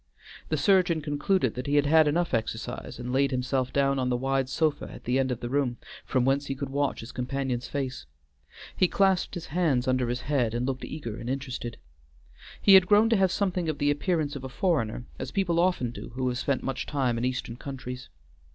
The surgeon concluded that he had had enough exercise and laid himself down on the wide sofa at the end of the room, from whence he could watch his companion's face. He clasped his hands under his head and looked eager and interested. He had grown to have something of the appearance of a foreigner, as people often do who have spent much time in eastern countries.